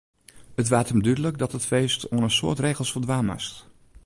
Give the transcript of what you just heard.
It waard him dúdlik dat it feest oan in soad regels foldwaan moast.